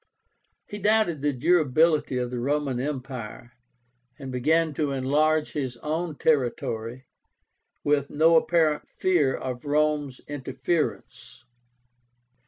He doubted the durability of the Roman Empire, and began to enlarge his own territory, with no apparent fear of Rome's interference.